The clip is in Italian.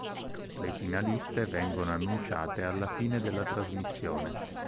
Le finaliste vengono annunciate alla fine della trasmissione.